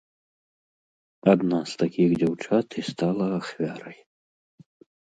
Адна з такіх дзяўчат і стала ахвярай.